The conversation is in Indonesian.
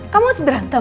kamu harus berantem